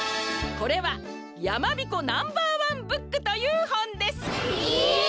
これは「やまびこナンバーワンブック」というほんです！え！？